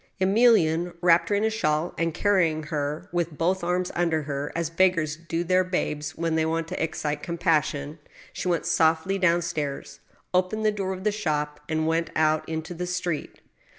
Emilienne wrapped her in a shawl, and, carrying her with both arms under her, as beggars do their babes when they want to excite compassion, she went softly down stairs, opened the door of the shop, and went out into the street.